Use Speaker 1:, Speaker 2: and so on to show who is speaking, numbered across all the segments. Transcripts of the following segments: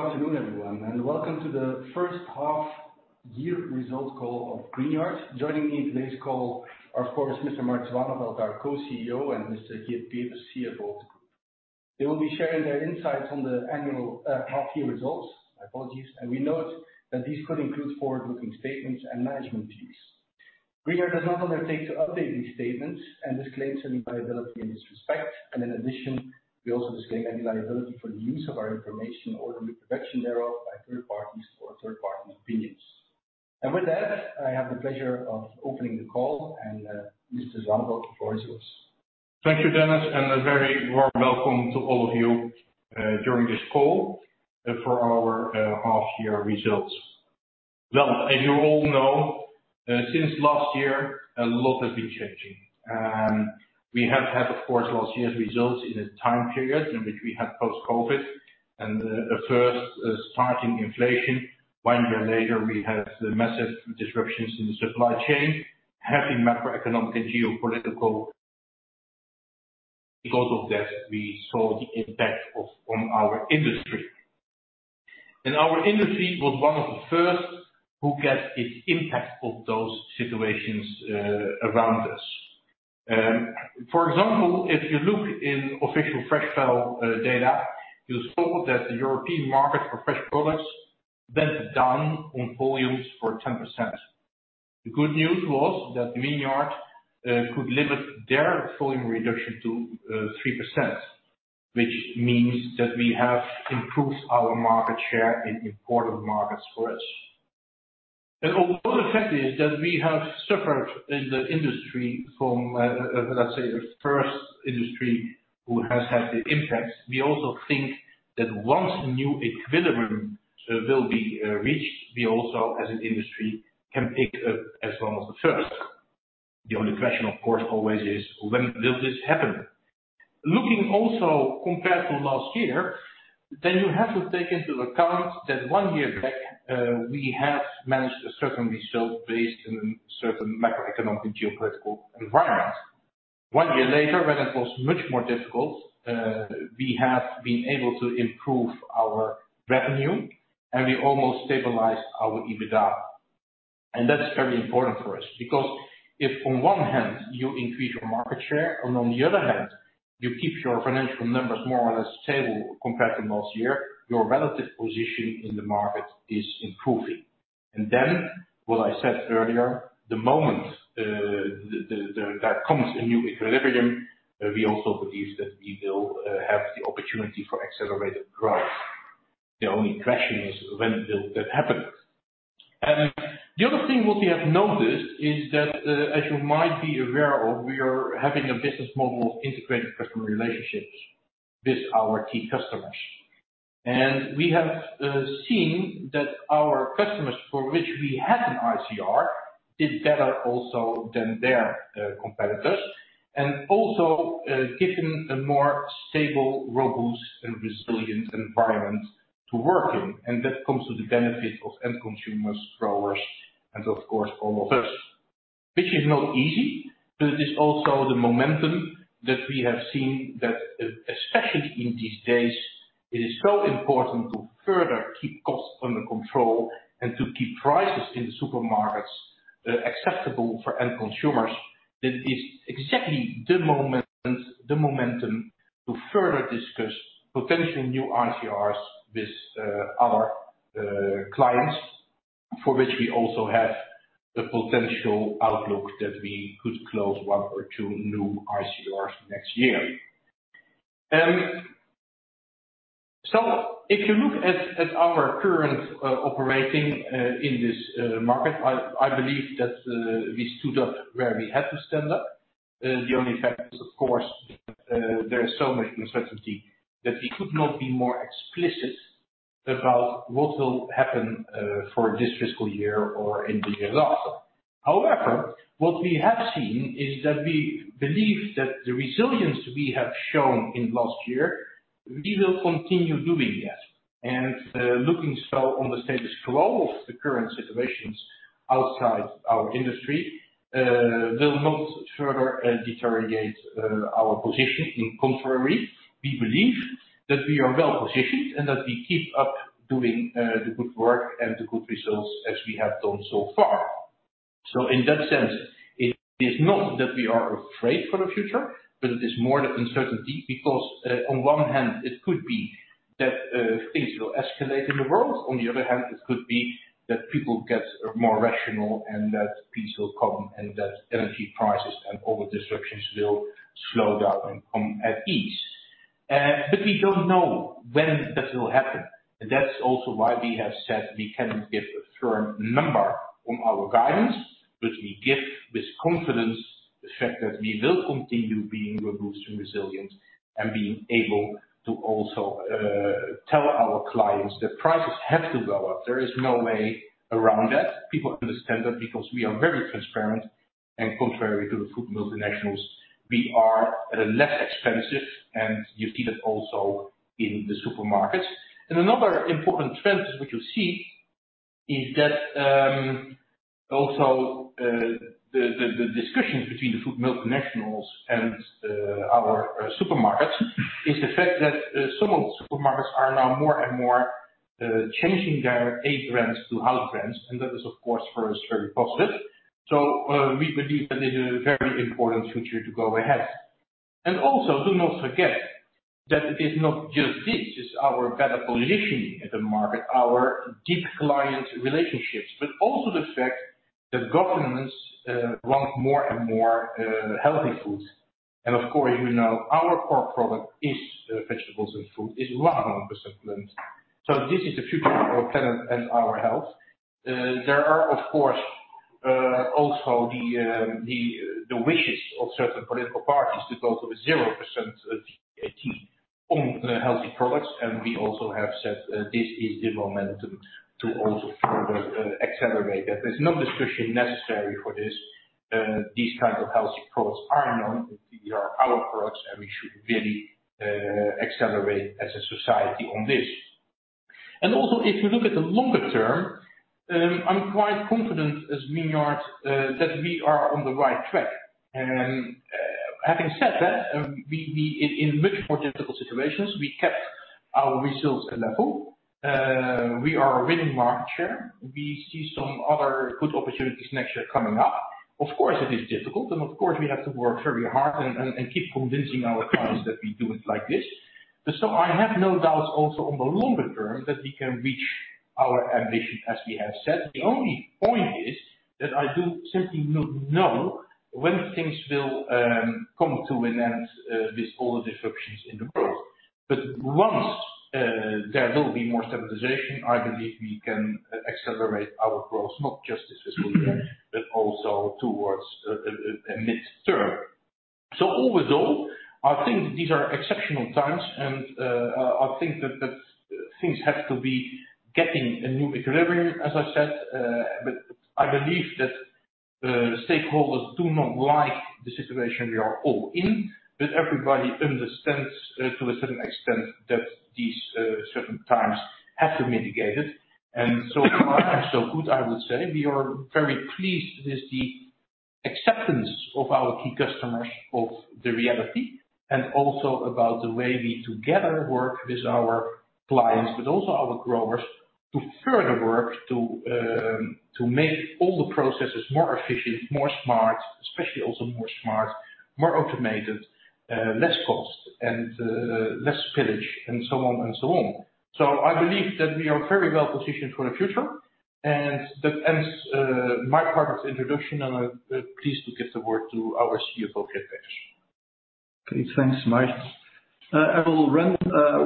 Speaker 1: Good afternoon, everyone, and welcome to the first half year results call of Greenyard. Joining me in today's call are, of course, Mr. Marc Zwaaneveld, our co-CEO, and Mr. Geert Peeters, CFO of the group. They will be sharing their insights on the half year results. My apologies. We note that these could include forward-looking statements and management's views. Greenyard does not undertake to update these statements and disclaims any liability in this respect. In addition, we also disclaim any liability for the use of our information or the reproduction thereof by third parties or third-party opinions. With that, I have the pleasure of opening the call. Mr. Zwaaneveld, the floor is yours.
Speaker 2: Thank you, Dennis, and a very warm welcome to all of you during this call for our half year results. Well, as you all know, since last year, a lot has been changing. We have had, of course, last year's results in a time period in which we had post COVID and first starting inflation. One year later, we had the massive disruptions in the supply chain, having macroeconomic and geopolitical. Because of that, we saw the impact on our industry. Our industry was one of the first who get its impact of those situations around us. For example, if you look in official Freshfel data, you'll see that the European et for fresh products went down on volumes for 10%. The good news was that Greenyard could limit their volume reduction to 3%, which means that we have improved our market share in important markets for us. Also the fact is that we have suffered in the industry from, let's say, the first industry who has had the impact. We also think that once a new equilibrium will be reached, we also as an industry can pick up as one of the first. The only question, of course, always is when will this happen? Looking also compared to last year, then you have to take into account that one year back we have managed a certain result based on certain macroeconomic and geopolitical environment. One year later, when it was much more difficult, we have been able to improve our revenue and we almost stabilized our EBITDA. That's very important for us because if on one hand you increase your market share and on the other hand you keep your financial numbers more or less stable compared to last year, your relative position in the market is improving. Then what I said earlier, the moment that comes a new equilibrium, we also believe that we will have the opportunity for accelerated growth. The only question is when will that happen? The other thing what we have noticed is that, as you might be aware of, we are having a business model of integrated customer relationships with our key customers. We have seen that our customers for which we had an ICR did better also than their competitors. Also, given a more stable, robust and resilient environment to work in. That comes with the benefit of end consumers, growers and of course, all of us. Which is not easy, but it is also the momentum that we have seen that, especially in these days, it is so important to further keep costs under control and to keep prices in the supermarkets acceptable for end consumers. That is exactly the moment, the momentum to further discuss potential new ICRs with our clients for which we also have the potential outlook that we could close one or two new ICRs next year. If you look at our current operating in this market, I believe that we stood up where we had to stand up. The only fact is of course, there is so much uncertainty that we could not be more explicit about what will happen for this fiscal year or in the years after. However, what we have seen is that we believe that the resilience we have shown in last year, we will continue doing that. Assuming the status quo of the current situations outside our industry will not further deteriorate our position. On the contrary, we believe that we are well positioned and that we keep up doing the good work and the good results as we have done so far. In that sense, it is not that we are afraid for the future, but it is more the uncertainty because on one hand it could be that things will escalate in the world. On the other hand, it could be that people get more rational and that peace will come and that energy prices and all the disruptions will slow down and come at ease. We don't know when that will happen. That's also why we have said we can give a firm number on our guidance, but we give with confidence the fact that we will continue being robust and resilient and being able to also tell our clients that prices have to go up. There is no way around that. People understand that because we are very transparent and contrary to the food multinationals, we are less expensive. You see that also in the supermarkets. Another important trend which you see is that the discussions between the food multinationals and our supermarkets is the fact that some of the supermarkets are now more and more changing their A-brands to house brands, and that is, of course, for us, very positive. We believe that this is a very important future to go ahead. Also, do not forget that it is not just this, it's our better positioning in the market, our deep client relationships, but also the fact that governments want more and more healthy foods. Of course, you know, our core product is vegetables and fruit, is 100% plant. This is the future of our planet and our health. There are, of course, also the wishes of certain political parties to go to a 0% VAT on healthy products. We also have said this is the momentum to also further accelerate that. There's no discussion necessary for this. These kinds of healthy products are known. These are our products, and we should really accelerate as a society on this. Also, if you look at the longer term, I'm quite confident as Greenyard that we are on the right track. Having said that, we in much more difficult situations, we kept our results level. We are winning market share. We see some other good opportunities next year coming up. Of course, it is difficult, and of course, we have to work very hard and keep convincing our clients that we do it like this. I have no doubts also on the longer term that we can reach our ambition as we have set. The only point is that I do simply not know when things will come to an end with all the disruptions in the world. Once there will be more stabilization, I believe we can accelerate our growth, not just this fiscal year, but also towards a mid-term. Overall, I think these are exceptional times and I think that things have to be getting a new equilibrium, as I said. I believe that stakeholders do not like the situation we are all in, but everybody understands to a certain extent that these certain times have to be mitigated. So far and so good, I would say. We are very pleased with the acceptance of our key customers of the reality, and also about the way we together work with our clients, but also our growers to further work to make all the processes more efficient, more smart, especially also more automated, less cost and less spillage and so on and so on. I believe that we are very well positioned for the future. That ends my part of the introduction, and I'm pleased to give the word to our CFO, Geert Peeters.
Speaker 3: Okay, thanks, Marc Zwaaneveld. I will run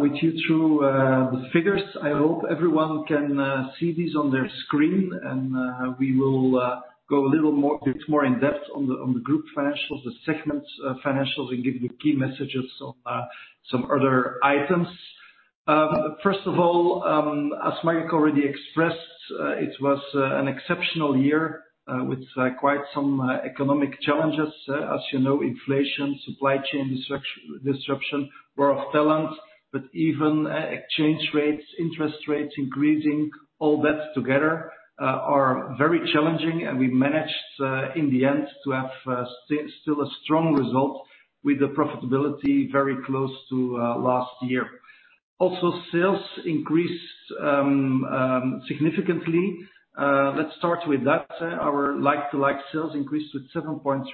Speaker 3: with you through the figures. I hope everyone can see these on their screen, and we will go a bit more in-depth on the group financials, the segments financials, and give you key messages on some other items. First of all, as Marc Zwaaneveld already expressed, it was an exceptional year with quite some economic challenges. As you know, inflation, supply chain disruption, war for talent, but even exchange rates, interest rates increasing, all that together are very challenging. We managed in the end to have still a strong result with the profitability very close to last year. Also sales increased significantly. Let's start with that. Our like-for-like sales increased with 7.3%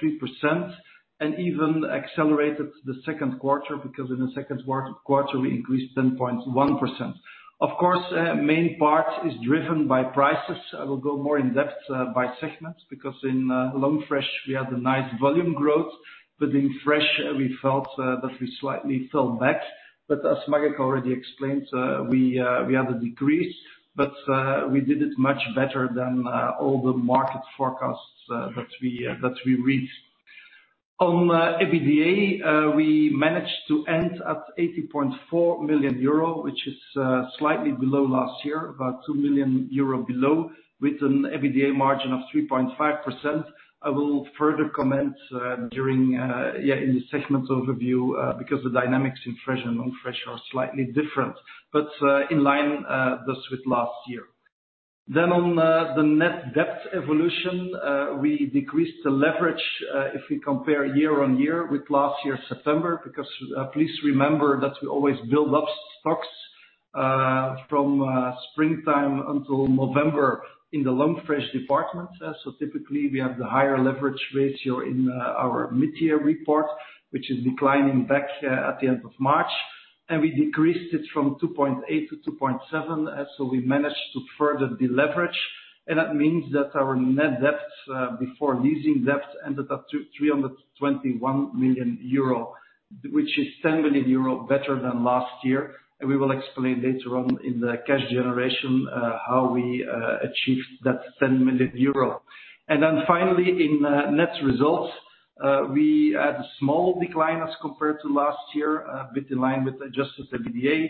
Speaker 3: and even accelerated in the second quarter, because in the second quarter, we increased 10.1%. Of course, main part is driven by prices. I will go more in-depth by segments because in Long Fresh, we had a nice volume growth, but in Fresh we felt that we slightly fell back. As Marc Zwaaneveld already explained, we had a decrease, but we did it much better than all the market forecasts that we read. On EBITDA, we managed to end at 80.4 million euro, which is slightly below last year, about 2 million euro below, with an EBITDA margin of 3.5%. I will further comment during in the segment overview because the dynamics in Fresh and Long Fresh are slightly different, but in line thus with last year. Then on the net debt evolution we decreased the leverage if we compare year-on-year with last year September because please remember that we always build up stocks from springtime until November in the Long Fresh department. So typically we have the higher leverage ratio in our mid-year report which is declining back at the end of March. We decreased it from 2.8% to 2.7%. So we managed to further deleverage and that means that our net debt before leasing debt ended up to 321 million euro which is 10 million euro better than last year. We will explain later on in the cash generation, how we achieved that 10 million euro. Finally, in net results, we had a small decline as compared to last year, a bit in line with adjusted EBITDA.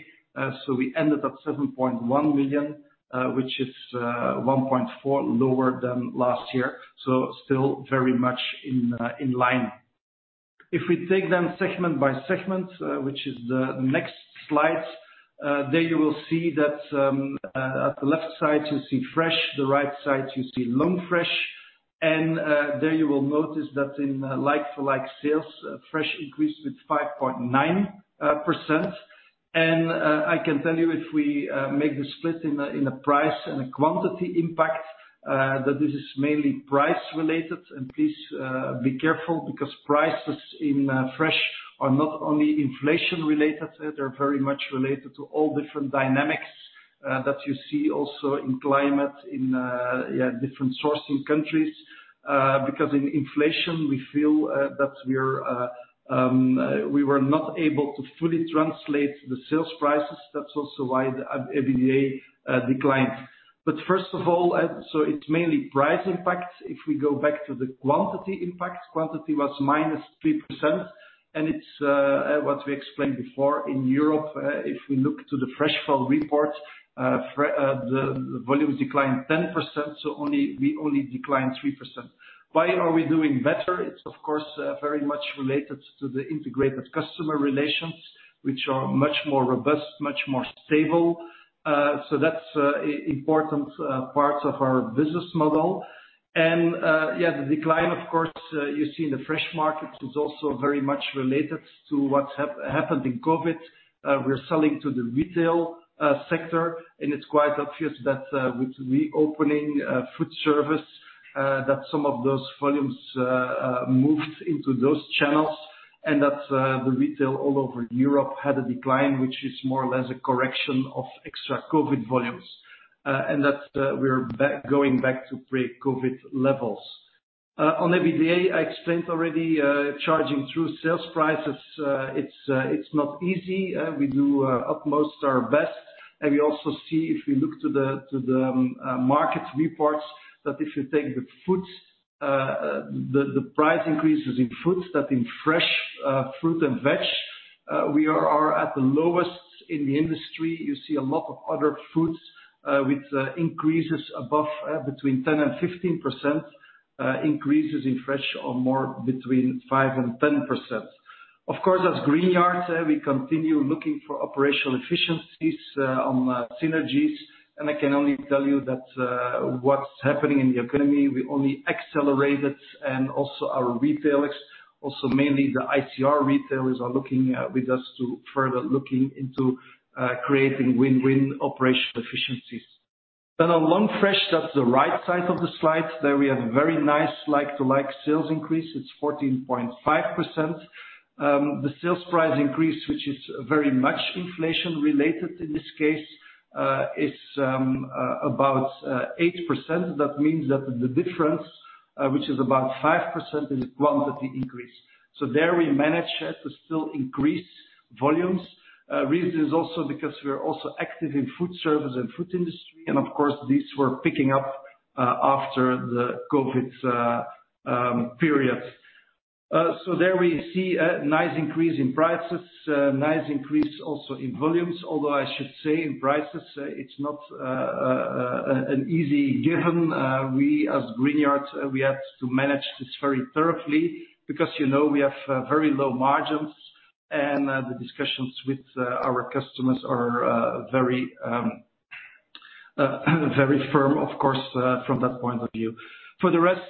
Speaker 3: We ended up 7.1 million, which is 1.4% lower than last year. Still very much in line. If we take them segment by segment, which is the next slide, there you will see that, at the left side you see Fresh, the right side you see Long Fresh. There you will notice that in like-for-like sales, Fresh increased with 5.9%. I can tell you if we make the split in a price and a quantity impact that this is mainly price related. Please be careful because prices in Fresh are not only inflation related, they're very much related to all different dynamics that you see also in climate in different sourcing countries. Because in inflation we feel that we were not able to fully translate the sales prices. That's also why the EBITDA declined. First of all. It's mainly price impact. If we go back to the quantity impact, quantity was -3%. It's what we explained before, in Europe, if we look to the Freshfel report, the volume declined 10%, so we only declined 3%. Why are we doing better? It's of course very much related to the integrated customer relationships, which are much more robust, much more stable. That's important parts of our business model. The decline, of course, you see in the fresh markets is also very much related to what's happened in COVID. We're selling to the retail sector, and it's quite obvious that with reopening food service that some of those volumes moved into those channels, and that the retail all over Europe had a decline, which is more or less a correction of extra COVID volumes, and that we're back, going back to pre-COVID levels. On EBITDA, I explained already charging through sales prices. It's not easy. We do our utmost best. We also see if we look to the market reports that if you take the foods, the price increases in foods, that in Fresh fruit and veg, we are at the lowest in the industry. You see a lot of other foods with increases above between 10% and 15%, increases in Fresh or more between 5% and 10%. Of course, as Greenyard, we continue looking for operational efficiencies and synergies, and I can only tell you that what's happening in the economy, we only accelerated and also our retailers, also mainly the ICR retailers are looking with us to further looking into creating win-win operational efficiencies. On Long Fresh, that's the right side of the slide. There we have a very nice like to like sales increase. It's 14.5%. The sales price increase, which is very much inflation related in this case, is about 8%. That means that the difference, which is about 5%, is quantity increase. There we manage to still increase volumes. Reason is also because we're also active in food service and food industry, and of course, these were picking up after the COVID period. There we see a nice increase in prices, a nice increase also in volumes. Although I should say in prices, it's not an easy given. We as Greenyard, we have to manage this very thoroughly because, you know, we have very low margins and the discussions with our customers are very very firm, of course, from that point of view. For the rest,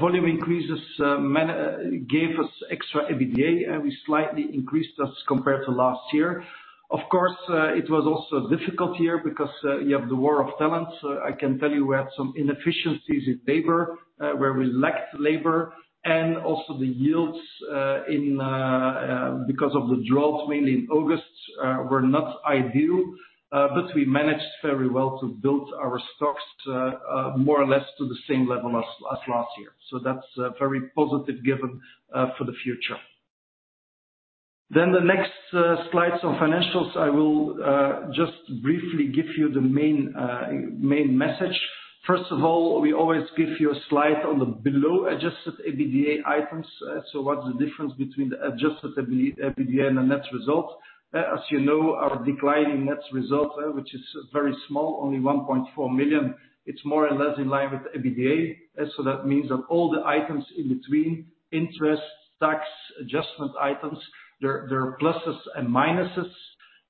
Speaker 3: volume increases mainly gave us extra EBITDA, and we slightly increased as compared to last year. Of course, it was also a difficult year because you have the war for talent. I can tell you we had some inefficiencies in labor, where we lacked labor and also the yields because of the drought, mainly in August, were not ideal, but we managed very well to build our stocks more or less to the same level as last year. That's a very positive given for the future. The next slides on financials, I will just briefly give you the main message. First of all, we always give you a slide on the below adjusted EBITDA items. What's the difference between the adjusted EBITDA and the net result? As you know, our decline in net result, which is very small, only 1.4 million, it's more or less in line with EBITDA. That means that all the items in between interest, tax, adjustment items, they're pluses and minuses.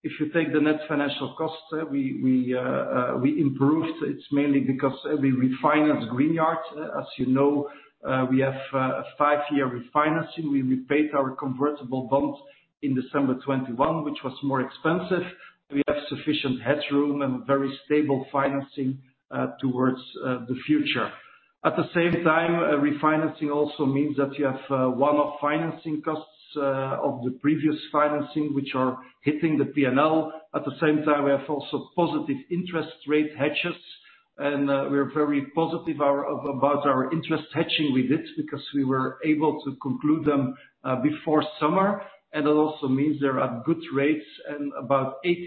Speaker 3: If you take the net financial cost, we improved. It's mainly because we refinance Greenyard. As you know, we have a five-year refinancing. We repaid our convertible bonds in December 2021, which was more expensive. We have sufficient headroom and very stable financing towards the future. At the same time, refinancing also means that you have one-off financing costs of the previous financing, which are hitting the P&L. At the same time, we have also positive interest rate hedges, and we're very positive about our interest hedging we did because we were able to conclude them before summer. It also means there are good rates and about 86%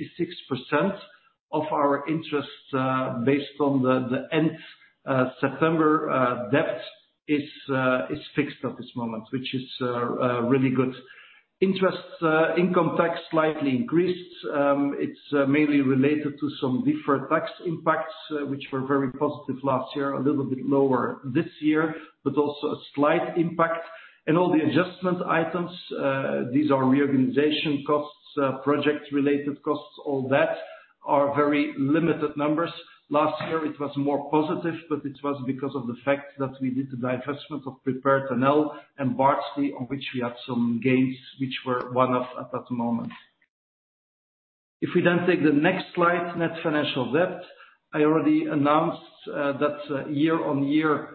Speaker 3: of our interest based on the end-September debt is fixed at this moment, which is really good. Interest income tax slightly increased. It's mainly related to some different tax impacts which were very positive last year, a little bit lower this year, but also a slight impact. All the adjustment items, these are reorganization costs, project related costs, all that are very limited numbers. Last year it was more positive, but it was because of the fact that we did the divestment of Prepared Netherlands and Bardsley on which we had some gains which were one-off at that moment. If we then take the next slide, net financial debt. I already announced that year-on-year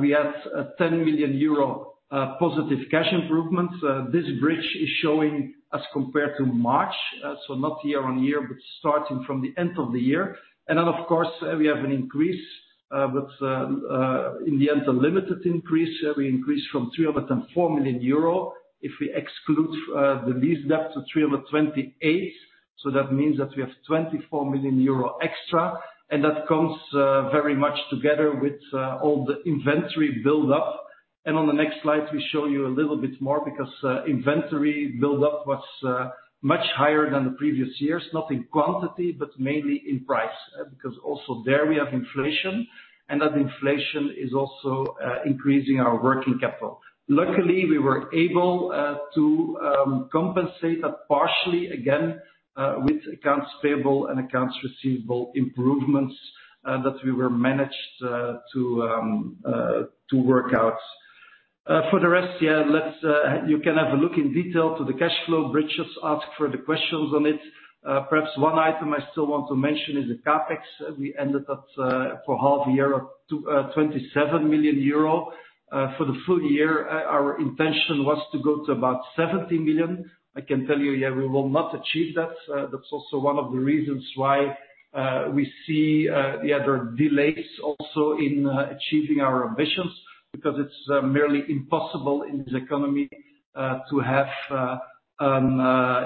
Speaker 3: we had a 10 million euro positive cash improvement. This bridge is showing as compared to March, so not year-on-year, but starting from the end of the year. Of course, we have an increase in the end, a limited increase. We increase from 304 million euro. If we exclude the lease debt to 328 million. So that means that we have 24 million euro extra, and that comes very much together with all the inventory build-up. On the next slide we show you a little bit more because inventory build-up was much higher than the previous years, not in quantity, but mainly in price. Because also there we have inflation, and that inflation is also increasing our working capital. Luckily, we were able to compensate that partially again with accounts payable and accounts receivable improvements that we managed to work out. For the rest, you can have a look in detail to the cash flow bridges, ask further questions on it. Perhaps one item I still want to mention is the CapEx. We ended up for half year to 27 million euro. For the full year, our intention was to go to about 70 million. I can tell you, we will not achieve that. That's also one of the reasons why we see the other delays also in achieving our ambitions, because it's nearly impossible in this economy to have,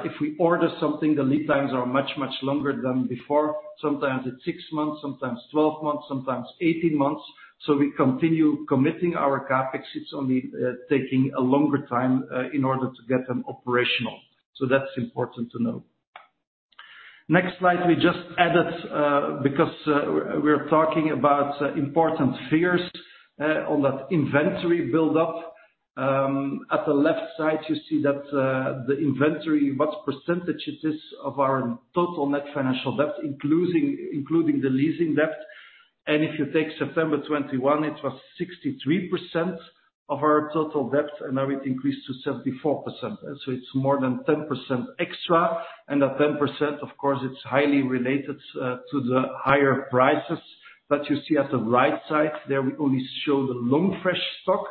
Speaker 3: if we order something, the lead times are much, much longer than before. Sometimes it's six months, sometimes 12 months, sometimes 18 months. We continue committing our CapEx. It's only taking a longer time in order to get them operational. That's important to know. Next slide we just added, because we're talking about important figures on that inventory build-up. At the left side you see that the inventory, what percentage it is of our total net financial debt, including the leasing debt. If you take September 2021, it was 63% of our total debt, and now it increased to 74%. It's more than 10% extra. That 10%, of course, it's highly related to the higher prices. You see at the right side there we only show the Long Fresh stock.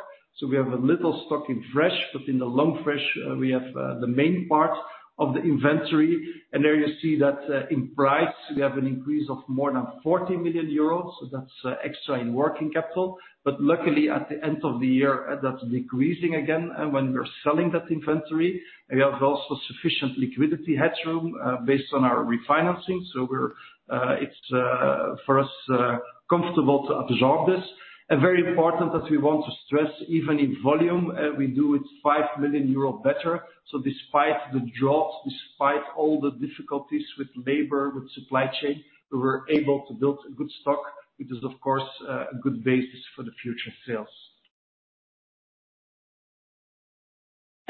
Speaker 3: We have a little stock in Fresh, but in the Long Fresh we have the main part of the inventory. There you see that in price we have an increase of more than 40 million euros. That's extra in working capital. Luckily at the end of the year, that's decreasing again when we're selling that inventory. We have also sufficient liquidity headroom based on our refinancing. We're, it's, for us, comfortable to absorb this. Very important that we want to stress even in volume we do it 5 million euro better. Despite the drops, despite all the difficulties with labor, with supply chain, we were able to build a good stock, which is of course a good basis for the future sales.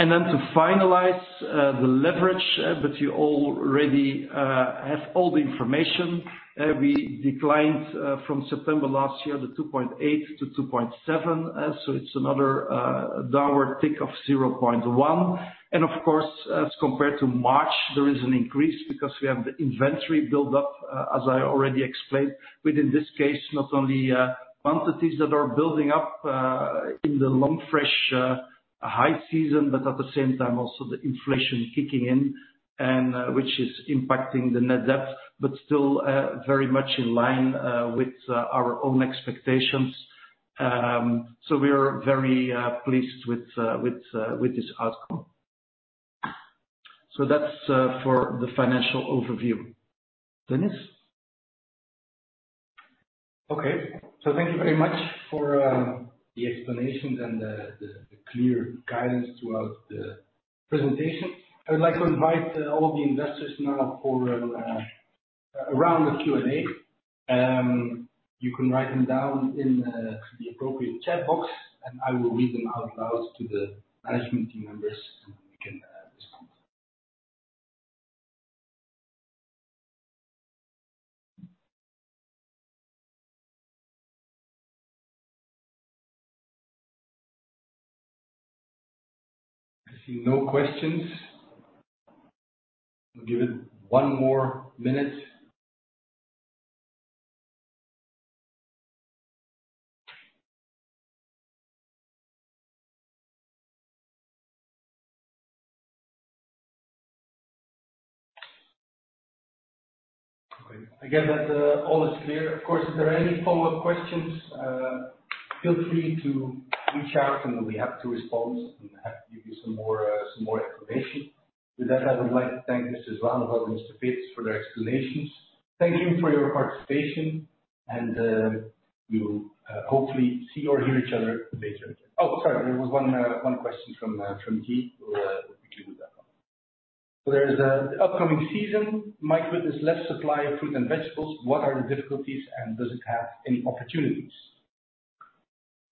Speaker 3: Then to finalize the leverage that you already have all the information. We declined from September last year, the 2.8% to 2.7%. It's another downward tick of 0.1%. Of course, as compared to March, there is an increase because we have the inventory build-up, as I already explained. In this case, not only quantities that are building up in the Long Fresh high season, but at the same time also the inflation kicking in and which is impacting the net debt, but still very much in line with our own expectations. We are very pleased with this outcome. That's for the financial overview. Dennis?
Speaker 1: Okay. Thank you very much for the explanations and the clear guidance throughout the presentation. I would like to invite all of the investors now for a round of Q&A. You can write them down in the appropriate chat box, and I will read them out loud to the management team members, and we can respond. I see no questions. We'll give it one more minute. Okay. I get that all is clear. Of course, if there are any follow-up questions, feel free to reach out and we'll be happy to respond. We'll be happy to give you some more information. With that, I would like to thank Mr. Zwaaneveld and Mr. Peeters for their explanations. Thank you for your participation and we'll hopefully see or hear each other later. Oh, sorry. There was one question from uncertain. We'll quickly do that one. The upcoming season might lead to less supply of fruit and vegetables. What are the difficulties and does it have any opportunities?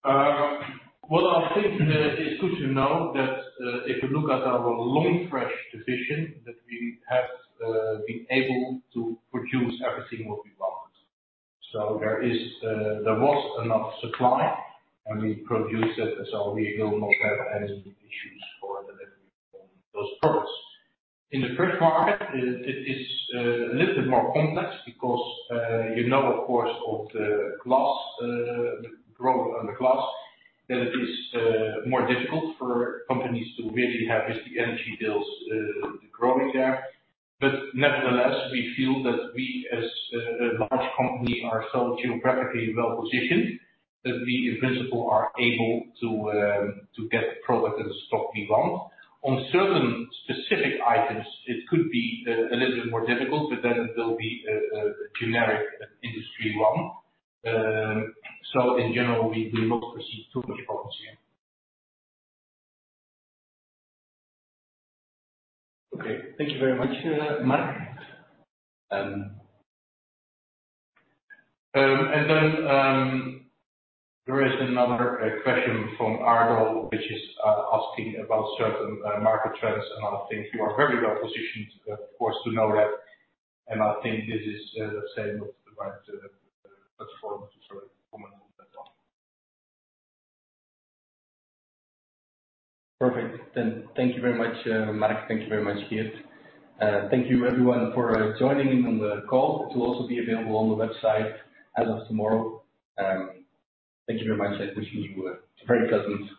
Speaker 2: Well, I think it's good to know that if you look at our Long Fresh division that we have been able to produce everything what we want. There was enough supply and we produced it, so we will not have any issues for delivery on those products. In the Fresh market it is a little bit more complex because you know, of course, of the glasshouse growth on the glasshouse that it is more difficult for companies to really have the energy bills growing there. Nevertheless, we feel that we as a large company are so geographically well-positioned that we in principle are able to to get product and stock we want. On certain specific items, it could be a little bit more difficult, but then it'll be a generic industry one. In general, we won't receive too much problems here.
Speaker 1: Okay. Thank you very much, Marc. There is another question from Aldo, which is asking about certain market trends, and I think you are very well positioned, of course, to know that, and I think this is the right platform to sort of comment on that one. Perfect. Thank you very much, Marc. Thank you very much, Geert. Thank you everyone for joining in on the call. It will also be available on the website as of tomorrow. Thank you very much. I wish you a very pleasant day.